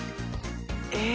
え。